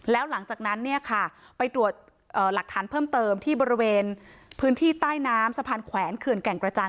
แล้วหลังจากนั้นเนี่ยค่ะไปตรวจหลักฐานเพิ่มเติมที่บริเวณพื้นที่ใต้น้ำสะพานแขวนเขื่อนแก่งกระจาน